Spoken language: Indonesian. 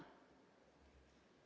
datang pak rusmin